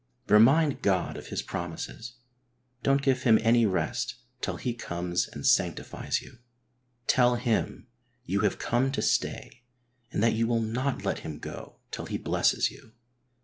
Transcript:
Remind God of His promises. Don't give Him any rest till He comes and sanctifies you. Tell Him you have come to stay, and that you will not let Him go till He blesses you.